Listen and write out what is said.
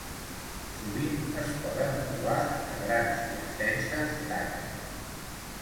Sovint es poden trobar a grans i extenses taques.